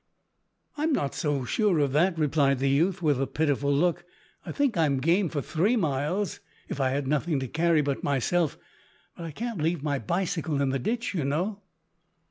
"I'm not so sure of that," replied the youth, with a pitiful look. "I think I'm game for three miles, if I had nothing to carry but myself, but I can't leave my bicycle in the ditch, you know!"